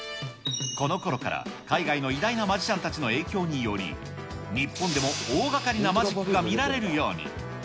このころから、海外の偉大なマジシャンたちの影響により、日本でも大がかりなマジックが見られるように。